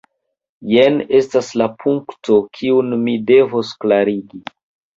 Jen estas la punkto, kiun mi devos klarigi.